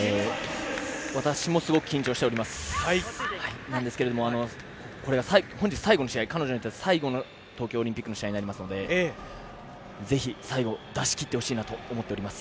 私もすごく緊張していますけどこれが彼女にとって本日最後の東京オリンピックの試合になりますのでぜひ最後出し切ってほしいなと思います。